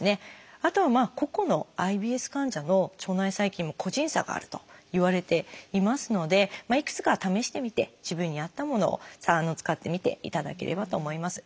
あとは個々のＩＢＳ患者の腸内細菌も個人差があるといわれていますのでいくつか試してみて自分に合ったものを使ってみていただければと思います。